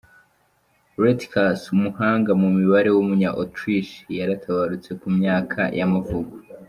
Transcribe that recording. Rheticus, umuhanga mu mibare w’umunya Autriche yaratabarutse, ku myaka y’amavuko.